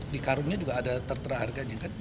dikarungnya juga ada tertera harganya